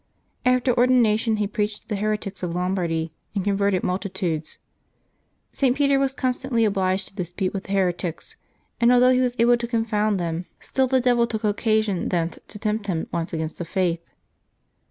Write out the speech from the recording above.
After ordination, he preached to the heretics of Lombardy, and converted multitudes. St. Peter was constantly obliged to dispute with heretics, and although he was able to confound them, still the devil took 162 LIVES OF TEE SAINTS [Apbil 29 occasion thence to tempt him once against faith.